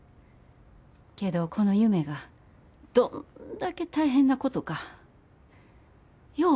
けどこの夢がどんだけ大変なことかよう分かった。